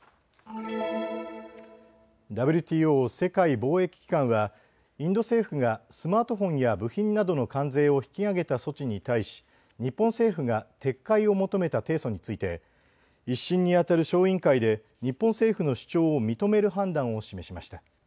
ＷＴＯ・世界貿易機関はインド政府がスマートフォンや部品などの関税を引き上げた措置に対し日本政府が撤回を求めた提訴について１審にあたる小委員会で日本政府の主張を認める判断を示しました。